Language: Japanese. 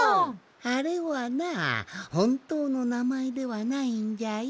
あれはなほんとうのなまえではないんじゃよ。